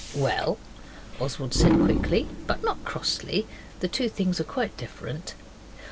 'Well?' Oswald said quickly, but not crossly the two things are quite different.